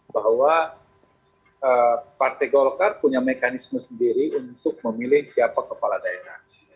bahwa partai golkar punya mekanisme sendiri untuk memilih siapa kepala daerah